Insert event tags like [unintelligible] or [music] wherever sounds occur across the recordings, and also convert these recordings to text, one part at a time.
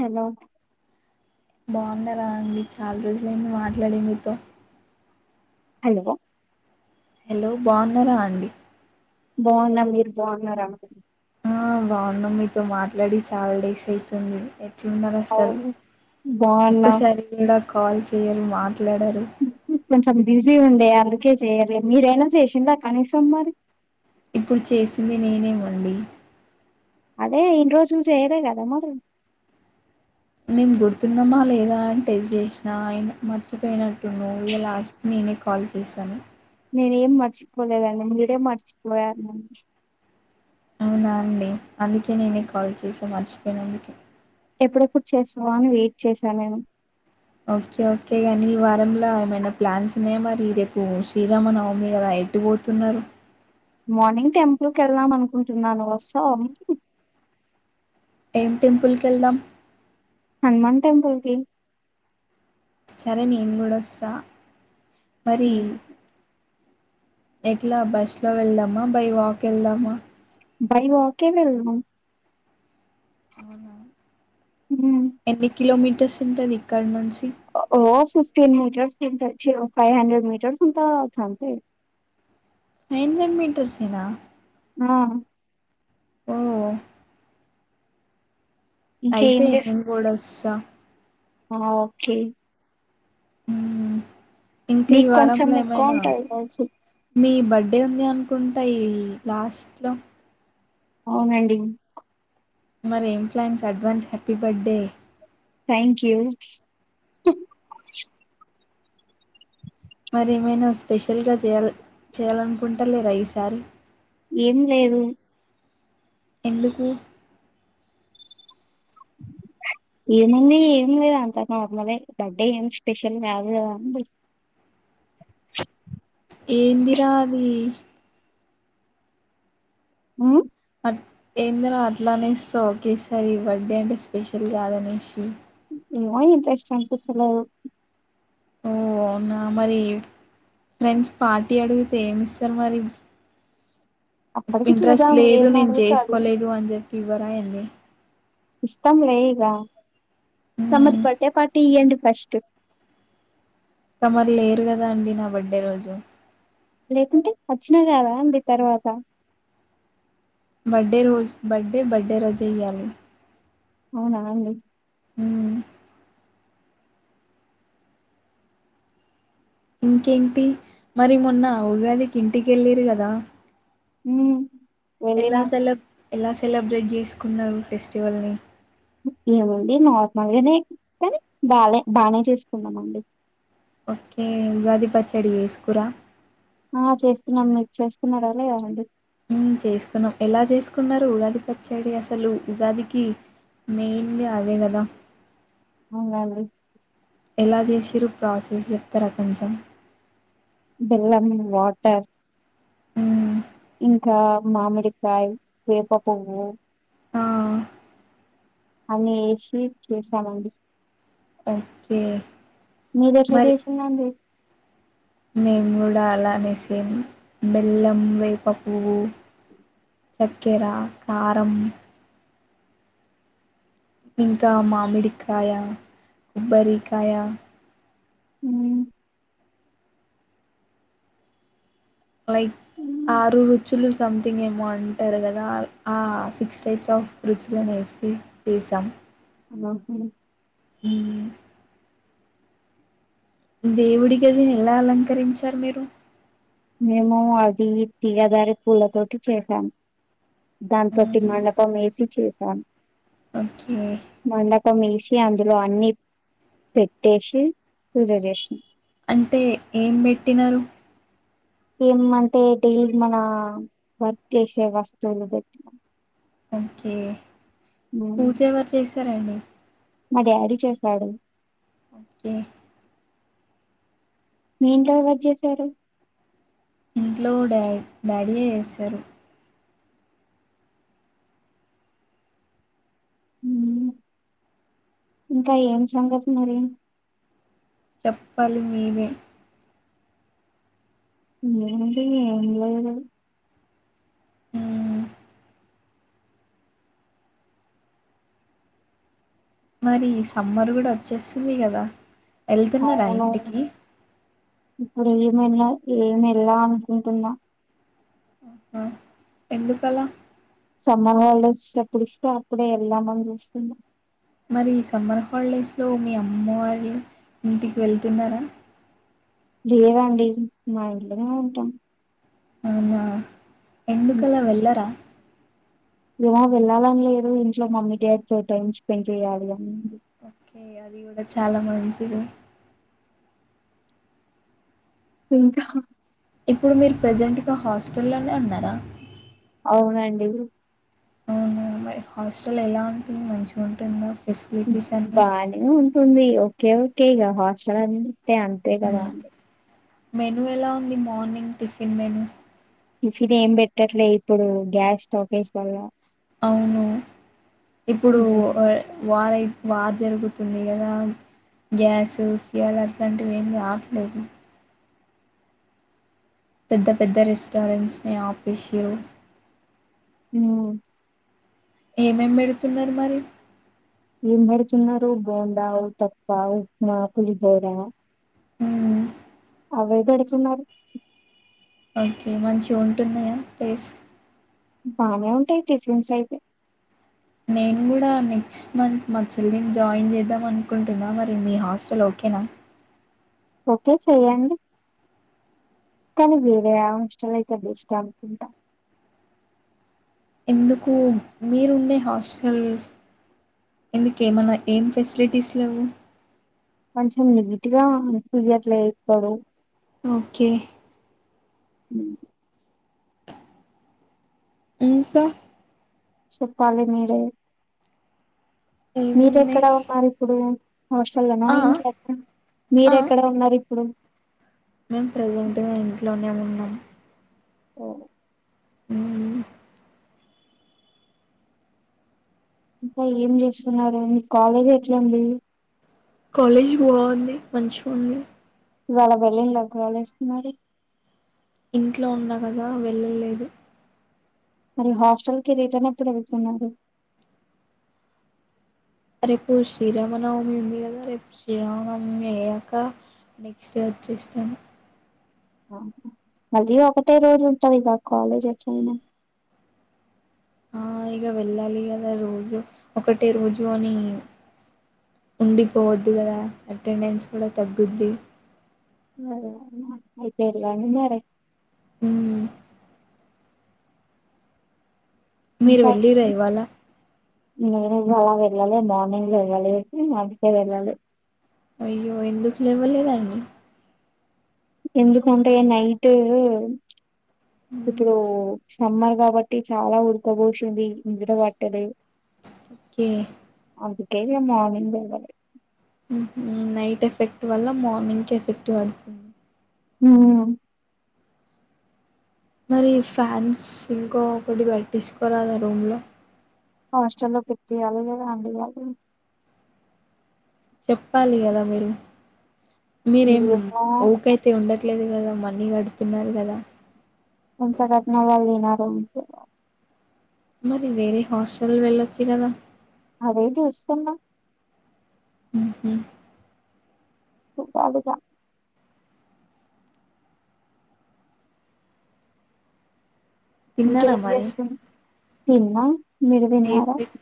Hello బాగున్నారా అండి చాలా రోజులయింది మాట్లాడీ మీతో హలో హలో బాగున్నారా అండి బాగున్న మీరు బాగున్నరా ఆ బాగున్నా మీతో మాట్లాడి చాలా డేస్ అయితుంది తున్నారు అసలు అవును బాగున్నా ఒక్కసారి కూడా కాల్ చేయరు మా కొంచెం బిజీ ఉండే అందుకే చెయ్యలే మీరైనా చేసిండ్ర కనీసం మరి ఇప్పుడు చేసింది నేనేమండి అదే ఇన్ని రోజులు చేయలే కదా మరీ మేము గుర్తున్నామా లేదా అని టెస్ట్ చేసిన అయన మర్చిపోయినట్టు ఉన్నావ్ ఇగ లాస్ట్కి నేనే కాల్ చేశాను నేనేం మర్చిపోలేదండి మీరే మర్చిపోయారు నన్ను అవునా అండి అందుకే నేనే కాల్ చేసి మర్చిపోయి నందుకే ఎప్పుడెప్పుడు చేస్తావా అని వెయిట్ చేసా నేను ఓకే ఓకే కాని ఈ వారంలో ఏమైనా ప్లాన్స్ ఉన్నాయా మరి రేపు శ్రీరామనవమి గద ఎటు పోతున్నారు మార్నింగ్ టెంపుల్కి ఏళ్దాం అనుకుంటున్నాను వస్తావా ఏం టెంపుల్ కేళ్దాం హనుమాన్ టెంపల్కి సరే నేను గుడా ఓస్తా మరి ఎట్లా బస్ లో వెళ్దామా బై వాక్ ఏళ్దామా బై వాకె వెళ్ళాం అవునా ఉమ్ ఎన్ని కిలో మీటర్స్ ఉంటది ఇక్కడ నుంచి ఓ ఫిఫ్టీన్ మీటర్స్ అ ఫైవ్ హండ్రెడ్ మీటర్స్ అంత చ అంతే ఫైవ హండ్రెడ్ మీటర్సేనా ఆ ఓ ఇంకేం అయితే చేస్ నేను కూడా త్త ఆ ఓకే మ్మ్. ఇంకా ఈ మీకు కొంచెం వారంలో ఎకువ ఏమైనా ఉంటాడు తెలిసి మీ బర్త్డే ఉంది అనుకుంటాయి లాస్ట్లో అవునండి మరి ఏం plans advance happy birthday thank you మరేమైనా స్పెషల్గాయ చేయాలనుకుంటా లేర ఈసారి ఏం లేదు ఎందుకు ఏముంది ఏమి లేదా అంతా నార్మలే బర్త్డే ఏమి స్పెషల్ కాదు కదా అండి ఏందిరా అవి హ ఏందరా అట్లా అనేస్థావ్ ఓకే సారి ఈ బర్త్డే అంటే స్పెషల్ కాదనేసి ఏమో ఇంట్రెస్ట్ అనిపిస్తలేదు ఓ అవునా మరి ఫ్రెండ్స్ పార్టీ అడిగితే ఏమి ఇస్తారు మరి అప్పటికి ఇంట్రెస్ట్ చూద్దాం లేదు నేను ఏమడుగుతే అది. చేసుకోలేదు అని చెప్పి ఫీవరా ఏందీ ఇస్తతంలే ఇగా తమరి మ్మ్ బర్త్డేపార్టీ టీ యండి ఫస్ట్ తమర్ లేరు కదా అండి నా బర్డే రోజు లేకుంటే వచ్చినా కదా అండి తర్వాత బడ్డే రోజు బడ్డే బడ్డే రోజు ఇయ్యాలి అవునా అండి ఉమ్ ఇంకేంటి మరి మొన్న అవుగాదికి ఇంటికిళ్ళరు కదా ఉమ్ ఎలా సెలెబ్ ఎలా సెలబ్రేట్ చేసుకున్నారు ఫెస్టివల్ని ఏమండి నార్మల్గానే కానీ బాగా బాగానే చూసుకున్నామండి ఓకే ఉగాది పచ్చడి వేసుకురా ఆ చేస్తున్నాం మీరు చేసుకున్నారాలేదా అండి చేసుకున్నాం ఎలా చేసుకున్నారు ఉగాది పచ్చడి అసలు ఉగాదికి మెయిన్గా అదే కదా అవునండి. ఎలా చేసిరు ప్రాసెస్ చెప్తారా కొంచెం? బెల్లం, వాటర్. ఊ ఇంకా మామిడికాయ్ వేపపువ్వు ఆ! అన్నీ ఏషి చేసామండి. ఓకే. మీరెట్ల చేషిండఅండి? మేంగూడా అలానే సేం బెల్లం, వేపపువ్వు చక్కెర, కారం. ఇంకా మామిడికాయ, కొబ్బరికాయ. మ్మ్. లైక్ ఆరు రుచులు. సంథింగ్ ఏమో అంటారు కదా, ఆ సిక్స్ టైప్స్ ఆఫ్ రుచులనేసి చేసాం. [unintelligible] ఈ దేవుడి గదిని ఎలా అలంకరించారు మీరు? మేమూ అదీ తీయగారె పూలతోటి చేసాం. దాంతోటి మండపం ఏసి చేశాం. ఒకే. పం ఇలిసి అందులో అన్నీ పెట్టేషి, పూజ చేషినం. అంటే ఏం పెట్టినరు? ఏమ్ అంటే డైలీ మనా వర్క్ చేసే వస్తువులు పెట్కు ఒంకే పూజ ఎవరు చేస్ సరే అండి. మా డాడీ చేసాడు. ఓకే మీఇంట్లో ఎవరు చేసారు? ఇంట్లో డా డాడీయే ఏస్సరు. ఇంకా ఏం సంగతి మరి? చెప్పాలి మీరే. ఏవుందీ, ఏంలేదు. అ మరీ సమ్మర్ గుడా వచ్చేస్తుంది కదా. ఎల్తన్నారా అవును ఇంటికి? మెల్ల ఏమెల్లా అనుకుంటున్నా. ఆ ఎందుకలా? సమ్మర్ హాలిడేస్ ఎప్పుడు ఇస్తే అప్పుడే ఎళ్దామని చూస్తున్నా. మరి ఈ సమ్మర్ హాళిడేస్ లో మీ అమ్మోళ్లి ఇంటికి వెళ్తున్నారా? లేదండి, మా ఇంట్లనే ఉంటాం. అవునా ఎందుకలా ఉమ్, వెల్లరా? ఏమో వెల్లాలని లేదు, ఇంట్లో మమ్మీ డాడీతో టైమ్ స్పెండ్ చేయాలి అనీ. ఓకే అది గుడా చాలా మంచిది. ఇంకాహ ఇప్పుడు మీర ప్రజెంట్గా హాస్టల్లోనే ఉన్నారా అవునండి అవున మరి హాస్టల్ ఎలా ఉంటుంది మంచిగా ఉంటుంది బాని తుంది ఓకె ఓకె హాస్టల్ అడి అంటే అంతే కదా హ్మ్. అండి మెను ఎలా ఉంది మార్నింగ్ టిఫిన్ మెనుూ టిఫిన్ ఏం పెట్టట్లే ఇప్పుడు గ్యాస్ స్టాకేజ్ వల్ల అవును ఇప్పుడు ఉమ్ వ వారె వ జరుగుతుంది గదా గ్యాస్ ఫ్యూయల్ అట్లాంటివి ఏమి రావట్లేదు పెద్ద పెద్ద రెస్టారెంట్స్ని ఆఫీషియల్ హు ఏమేం పెడుతున్నారు మరి ఎం పెడుతున్నారుా బోండా అ తప్ప ఉప్మా కుులిదేరా ఉమ్ అవే పెడుతున్నారు. ఓకే మంచిగ ఉంటుంది ఇకా టేస్ట్ బానే ఉంటాయి టిఫన్స్ అయితే నేను కూడా నెక్స్ట్ మంత్ మా చెల్లిన్ జాయిన్ చేద్దాం అనుకుంటున్నా మరి మీ హాస్టల్ ఓకేనా ఓకే చెయ్యండి కాని వేరే అంశాలు అయితే అదిష్టం అనుకుంటా ఎందుకు మీరుండే హాస్టల్ ఎందుకు ఏమన్నా ఏం ఫెసిలిటీస్ లేవు కొంచం నీట్గా అనిపీయట్లే ఇక్కడు ఓకె మ్ ఎంత చెప్పాలె మీరె ఏమున్నాయి మీరెక్కడ ఉన్నారు ఇప్పుడు హోస్టల్లోనా ఆ ఇంట్లోనా మీరెక్కడ ఉన్నారు ఇప్పుడు మేమ్ ప్రజెంట్గ ఇంట్లోనే ఉన్నాం ఓ మ్ ఇంక ఏం చేస్తున్నారు మీ కాలేజ్ ఎట్ల ఉంది కాలేజ్ బాగుంది మంచిగ ఉంది ఇవాళ వెళ్ళిన్ల కాలేజ్ కి మరి ఇంట్లో ఉన్న గదా వెళ్ళలేదు మరి హాస్టల్కి రిటర్న్ ఎప్పుడు వెళ్తున్నారు రేపు శ్రీరామనవమి ఉంది కదా రేపు శ్రీరామనవమి అయ్యాక నెక్స్ట్ డే వచ్చేస్తాను మళ్ళీ ఒకటే రోజు ఉంటదిక కాలేజ్ ఎట్లయినా ఆ ఇక వెళ్ళాలి కదా రోజు ఒకటే రోజు అని ఉండిపోవద్దు కదా అటెండెన్స్ కూడ తగ్గుద్ది అదే అయితేల నిన్నార హు మీరు వెళ్ళీరా ఇవ్వాల మంగ్ అలా వెళ్ళాలి మార్నింగ్ వెళ్ళాలి అందుకే వెళ్ళాలి [inaudible] అయ్యో ఎందుకు లేవ ల్లేదండి ఎందుకంటే నైటా మ్మ్ ఇప్పుడూ సమ్మర్ కాబట్టి చాలా ఉడకబోశిందీ నిద్రబట్టలే. ఓకే అందుకే ఇగ మార్నింగ్ లెగలే. ఊహూ నైట్ ఎఫెక్ట్ వల్ల మార్నింగ్కి ఎఫ్ ఎఫెక్ట్ పడుతుంది. [unintelligible] మరి ఫ్యాన్స్ ఇంకో ఒకటి పెట్టిచ్చుకోరాద ఆ రూమ్ లో హాస్టల్లో పెట్టియాలి గదా అందులో వాళ్ళు. చెప్పాలి గదా మీరు. మీరేం ఏమో ఊకైతే ఉండట్లేదు గదా మ అన్నీ కడుతున్నారు గదా ఎంత గట్టినా వాళ్ళు వినరు అంతే మరి వేరే హాస్టల్ వెళ్ళొచ్చు గదా. అదే చూస్తున్నా. ఊహు [unintelligible] గా ఇంక తిన్నారా ఏం మరి చేస్తున్నవ్ తిన్నా మీరు ఏం తిన్నారా. పెట్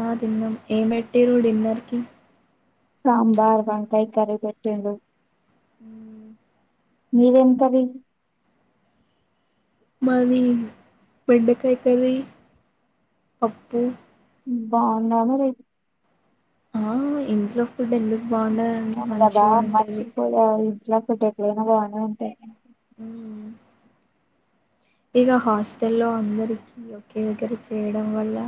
ఆ తిన్నం ఏం పెట్టిర్రు డిన్నర్కి. సాంబార్, వంకాయ్ కర్రీ పెటింరు. ఊ మీదేం కర్రీ. మాది బెండకాయ కర్రీ, పప్పు బాగుందా మరి ఆ ఇంట్లో ఇప్పుడు ఎందుకు బాగుండ దండి మంచిగ ఉంటది. ఇట్లా ఫుడ్ ఎట్లయినా బాగానే ఉంటాయి. ఊఊ ఇగ హాస్టల్లో అందరికీ ఒకే దగ్గర చేయడం వల్లా.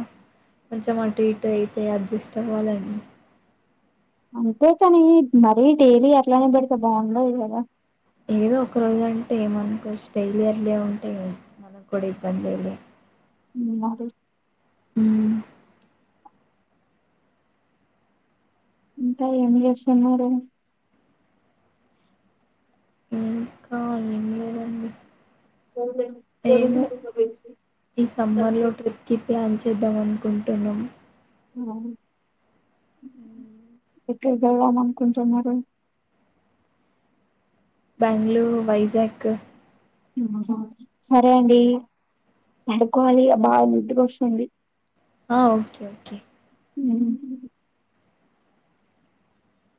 కొంచెం అటు ఇటు అయితే అడ్జస్ట్ అవ్వాలండి. అంతే కానీ, మరీ డైలీ అట్లానే పెడితే బాగుండదు కదా. ఏదో ఒక రోజు అంటే ఏమో అనుకోవచ్చు డైలీ అట్లే ఉంటే మనకు కూడా ఇబ్బందే లే. ఊ [unintelligible] ఊ ఇంకా ఏం చేస్తున్నారు. ఇంకా ఏం లేదండి. [unintelligible] ఏమో ఈ సమ్మర్ లో ట్రిప్ కి ప్లాన్ చ్ చేద్దామనుకుంటున్నం అవును. మ్మ్. ఎక్కడికి వెళ్దాం అనుకున్నుటున్నారు. బెంగళూర్, వైజాక ఆహ సరే అండి పడుకోవాలి బాగా నిద్ర వస్తుంది ఆ ఓకే ఓకే ఉ